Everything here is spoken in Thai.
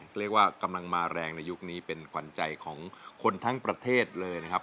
เรียกว่ากำลังมาแรงในยุคนี้เป็นขวัญใจของคนทั้งประเทศเลยนะครับ